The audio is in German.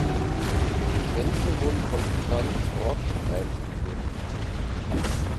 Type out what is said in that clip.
Die Tänze wurden von Franz Rott einstudiert.